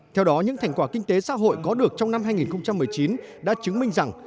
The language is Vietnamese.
theo đó những thành quả kinh tế xã hội có được trong năm hai nghìn một mươi chín đã chứng minh rằng